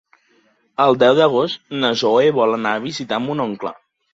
El deu d'agost na Zoè vol anar a visitar mon oncle.